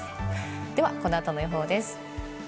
では、この後の予報です。